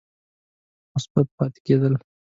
مثبت پاتې کېد ل